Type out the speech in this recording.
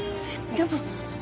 でも。